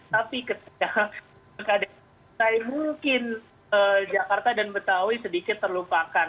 tapi ketika pilkada dki mungkin jakarta dan betawi sedikit terlupakan